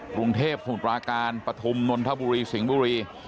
กรุงเทพสมุทรปราการปฐุมนนทบุรีสิงห์บุรี